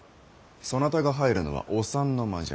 そなたが入るのはお三の間じゃ。